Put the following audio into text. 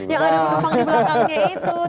yang ada penumpang di belakangnya itu